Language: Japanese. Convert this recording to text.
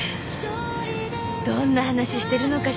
どんな話してるのかしらねぇ。